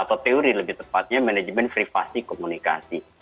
atau teori lebih tepatnya manajemen privasi komunikasi